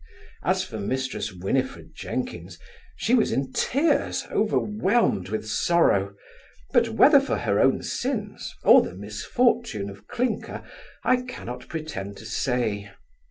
As for Mrs Winifred Jenkins, she was in tears, overwhelmed with sorrow; but whether for her own sins, or the misfortune of Clinker, I cannot pretend to say.